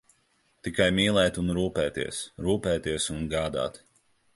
Tikai mīlēt un rūpēties, rūpēties un gādāt.